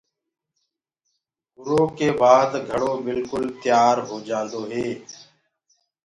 اُرو ڪي بآد گھڙو بِلڪُل تيآر هوجآندو هي۔